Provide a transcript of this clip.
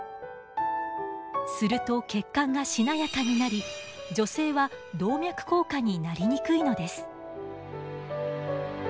すると血管がしなやかになり女性は動脈硬化になりにくいのです。